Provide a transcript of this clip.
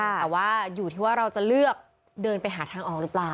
แต่ว่าอยู่ที่ว่าเราจะเลือกเดินไปหาทางออกหรือเปล่า